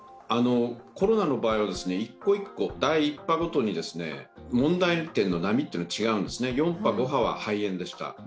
コロナの場合は１個１個、波ごとに、問題点の波が違うんですね、４波、５波は肺炎でした。